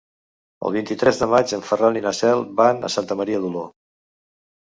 El vint-i-tres de maig en Ferran i na Cel van a Santa Maria d'Oló.